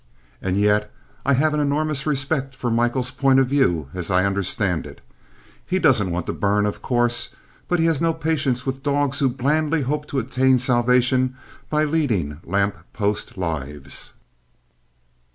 And yet I have an enormous respect for Michael's point of view as I understand it. He doesn't want to burn, of course, but he has no patience with dogs who blandly hope to attain salvation by leading lamp post lives.